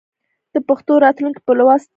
د پښتو راتلونکی په لوست کې دی.